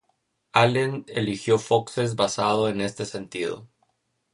Allen eligió Foxes basado en este sentido.